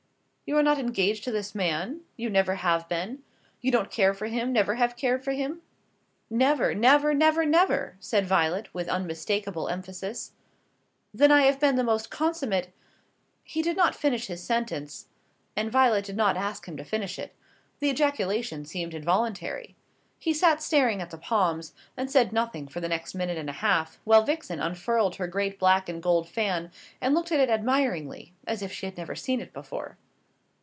"You are not engaged to this man? you never have been? you don't care for him, never have cared for him?" "Never, never, never, never!" said Violet, with unmistakable emphasis. "Then I have been the most consummate " He did not finish his sentence, and Violet did not ask him to finish it. The ejaculation seemed involuntary. He sat staring at the palms, and said nothing for the next minute and a half, while Vixen unfurled her great black and gold fan, and looked at it admiringly, as if she had never seen it before.